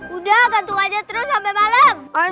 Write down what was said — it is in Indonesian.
udah bantu aja terus sampai malam